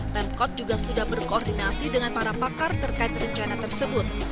pemkot juga sudah berkoordinasi dengan para pakar terkait rencana tersebut